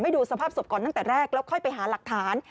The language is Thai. ดูสภาพศพก่อนตั้งแต่แรกแล้วค่อยไปหาหลักฐาน